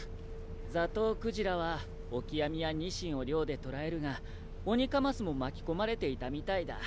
ザトウクジラはオキアミやニシンを漁で捕らえるがオニカマスも巻き込まれていたみたいだ。